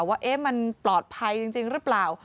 ว่ามันปลอดภัยจริงหรือเปล่า